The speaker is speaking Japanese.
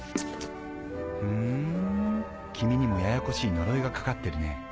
フン君にもややこしい呪いがかかってるね。